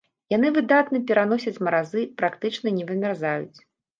Яны выдатна пераносяць маразы, практычна не вымярзаюць.